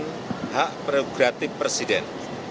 kabinet itu adalah seratus hak progratif presiden